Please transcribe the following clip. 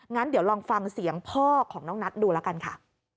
งั้นเดี๋ยวลองฟังเสียงพ่อของน้องนัทดูแล้วกันค่ะ